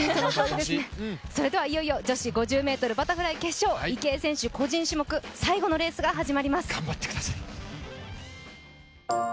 いよいよ女子５０ｍバタフライ決勝池江選手、個人種目最後のレースが始まります。